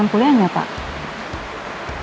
bisa pulih gak pak